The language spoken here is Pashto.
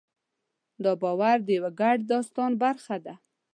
دا باور د یوه ګډ داستان برخه ده.